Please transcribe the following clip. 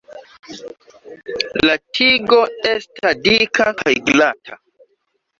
La tigo esta dika kaj glata.